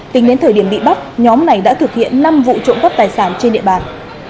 tính đến thời điểm bị bắt nhóm này đã thực hiện năm vụ trộm cắp tài sản trên địa bàn